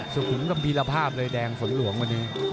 ถึงกับพีรภาพเลยแดงฝนหลวงวันนี้